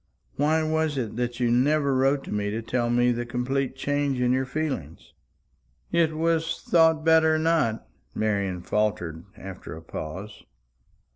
Why was it that you never wrote to me to tell me the complete change in your feelings?" "It was thought better not," Marian faltered, after a pause.